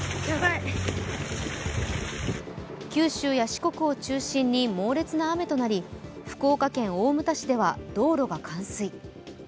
九州や四国を中心に猛烈な雨となり、福岡県大牟田市では道路が冠水。